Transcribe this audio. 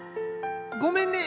ごめんね！